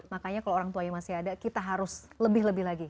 makanya kalau orang tuanya masih ada kita harus lebih lebih lagi